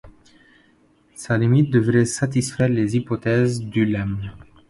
Sa limite devrait satisfaire les hypothèses du lemme.